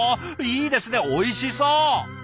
いいですねおいしそう！